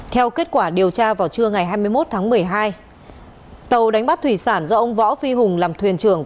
theo kết quả điều tra vào trưa ngày hai mươi một tháng một mươi hai tàu đánh bắt thủy sản do ông võ phi hùng làm thuyền trưởng